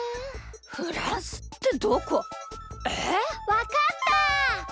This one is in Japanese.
わかった！